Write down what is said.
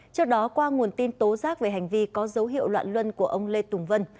trước đó qua nguồn tin tố giác về hành vi có dấu hiệu loạn luân của ông lê tùng vân